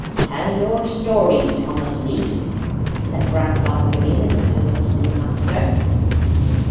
"Tell your story, Thomas Leaf," said grandfather William in the tone of a schoolmaster.